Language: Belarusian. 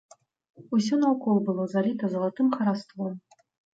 Усё наўкол было заліта залатым хараством.